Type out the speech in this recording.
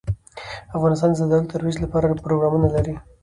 افغانستان د زردالو د ترویج لپاره پروګرامونه لري.